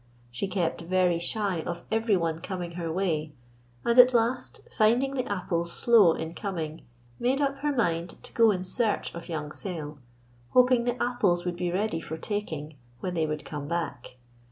She kept very shy of everyone coming her way, and at last, finding the apples slow in coming, made up her mind to go in search of young Sayle, hoping the apples would be ready for taking when they would come back.